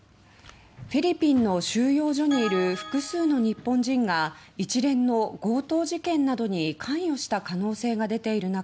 フィリピンの収容所にいる複数の日本人が一連の強盗事件などに関与した可能性が出ている中